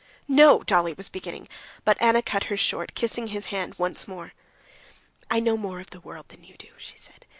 "No," Dolly was beginning, but Anna cut her short, kissing her hand once more. "I know more of the world than you do," she said.